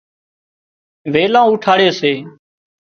ويلان اُوٺاڙي سي